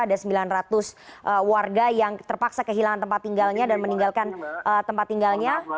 ada sembilan ratus warga yang terpaksa kehilangan tempat tinggalnya dan meninggalkan tempat tinggalnya